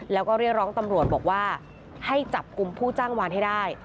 แล้วก็เรียกร้องตำรวจบอกว่าให้จับกลุ่มผู้จ้างวานให้ได้